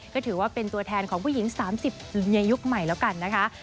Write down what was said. ก็ถือว่าเป็นตัวแทนของผู้หญิง๓๐ในยุคใหม่แล้วกันนะคะ